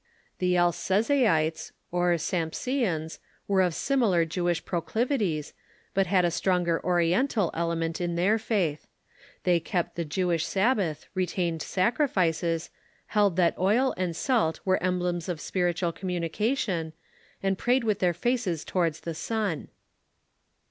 The Elcesaites, or Sanipsfeans, were of similar Jewish proclivities, but had a stronger Oriental element in their faith. They kept the Jew ish Sabbath, retained sacrifices, held that oil and salt are em blems of spiritual communication, and prayed with their faces towards the sun.